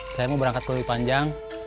saya mau berangkat ke lebih panjang